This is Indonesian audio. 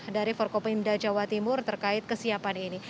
dari forkopimda jawa timur terkait kesiapan ini